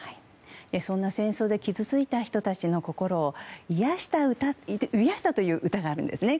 そんな戦争で傷ついた人たちの心を癒したという歌があるんですね。